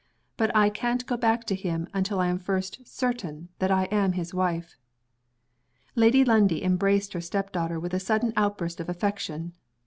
But I can't go back to him until I am first certain that I am his wife." Lady Lundie embraced her step daughter with a sudden outburst of affection.